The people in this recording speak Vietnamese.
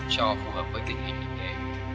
cho phù hợp với tình hình hình nghề